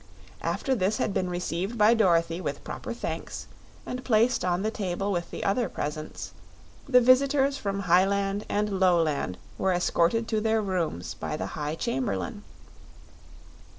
After this had been received by Dorothy with proper thanks and placed on the table with the other presents, the visitors from Hiland and Loland were escorted to their rooms by the High Chamberlain.